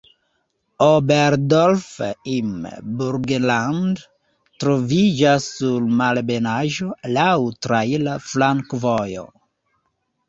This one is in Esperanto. Oberdorf im Burgenland troviĝas sur malebenaĵo, laŭ traira flankovojo.